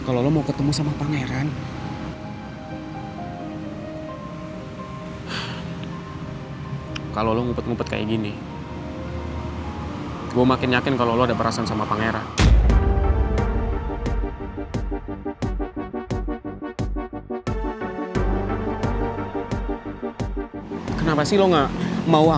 saya mau mampir buat ketemu your mom